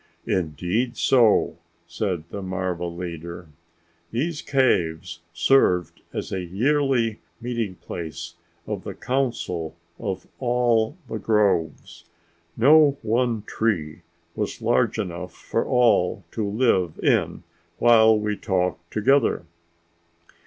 "Indeed so," said the marva leader. "Those caves served as a yearly meeting place of the Council of All The Groves. No one tree was large enough for all to live in while we talked together.